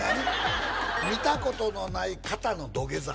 「見たことのない型の土下座」